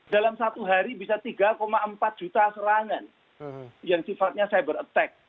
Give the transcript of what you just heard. dalam satu hari bisa tiga empat juta serangan yang sifatnya cyber attack